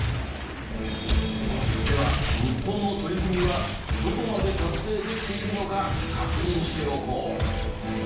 では日本の取り組みはどこまで達成できているのか確認しておこう。